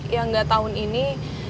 ya nggak tahun ini